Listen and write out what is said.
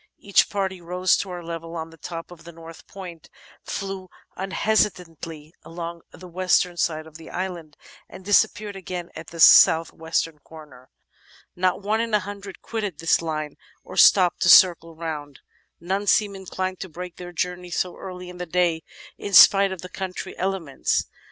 Each party rose to our level on the top of the north point, flew unhesitatingly along the western side of the island, and disappeared again at the south western corner. Not one in a hundred quitted this line or stopped to circle round; none seemed inclined to break their journey so early in the day, in spite of the contrary elements.